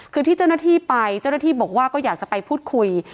คือที่เจ้าหน้าที่ไปเจ้าหน้าที่บอกว่าก็อยากจะไปพูดคุย